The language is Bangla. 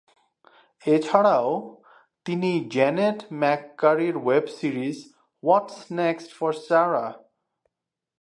এছাড়াও তিনি জেনেট ম্যাক কারির web series what's next for Sarah?